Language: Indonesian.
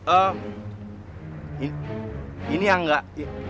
ehm ini yang gak